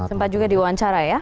sempat juga diwawancara ya